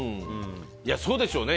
そうでしょうね。